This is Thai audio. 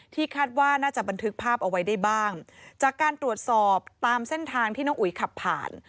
คาดว่าน่าจะบันทึกภาพเอาไว้ได้บ้างจากการตรวจสอบตามเส้นทางที่น้องอุ๋ยขับผ่าน